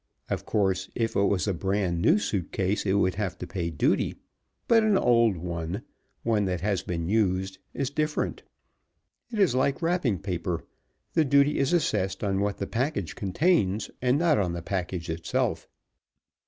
Of course, if it was a brand new suit case it would have to pay duty, but an old one one that has been used is different. It is like wrapping paper. The duty is assessed on what the package contains and not on the package itself.